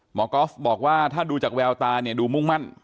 หมอก๊อฟบอกว่าถ้าดูจากแววตาดูมุ่งมั่น